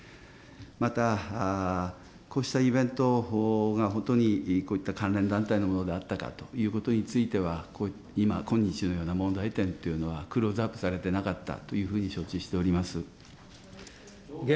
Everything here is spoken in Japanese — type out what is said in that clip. また、こうしたイベントが本当にこういった関連団体のものであったかということについては、今、今日のような問題点というのは、クローズアップされてなかったというふうに承知しております。